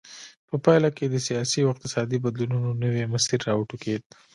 په پایله کې د سیاسي او اقتصادي بدلونونو نوی مسیر را وټوکېد.